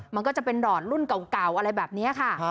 มันก็จะเป็นดอดรุ่นเก่าอะไรแบบนี้ค่ะ